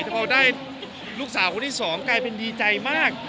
แต่พอได้ลูกสาวคนที่สองกลายเป็นดีใจมาก